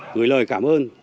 người lời cảm ơn